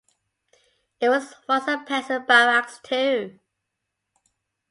It was once a panzer barracks, too.